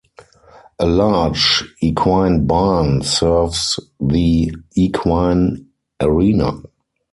A large equine barn serves the Equine Arena.